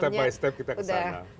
dan langkah demi langkah kita ke sana